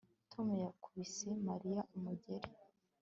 Tom yakubise Mariya umugeri